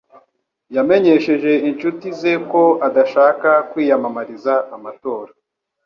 Yamenyesheje inshuti ze ko adashaka kwiyamamariza amatora.